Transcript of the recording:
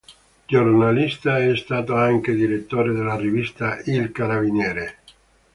Giornalista, è stato anche direttore della rivista "Il Carabiniere".